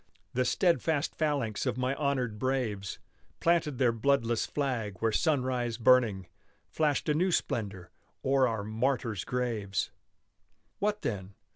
The steadfast phalanx of my honored braves Planted their bloodless flag where sunrise burning, Flashed a new splendor o'er our martyrs' graves! What then?